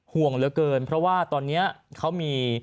ห่วงเหลือเกินเพราะว่าตอนนี้เขามี